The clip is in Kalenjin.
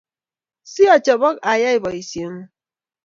Si achobok ayai boisieng’ung